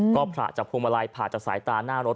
ก็ผละจากภูมิลายผละจากสายตาหน้ารถ